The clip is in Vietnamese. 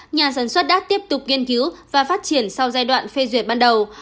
nhà sản xuất đã tiếp tục nghiên cứu và phát triển sau giai đoạn phê duyệt ban đầu